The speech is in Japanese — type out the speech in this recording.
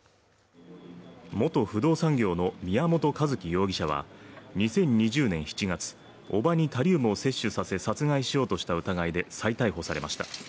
元不動産業の宮本一希容疑者は、２０２０年７月、叔母にタリウムを摂取させ殺害しようとした疑いで再逮捕されました。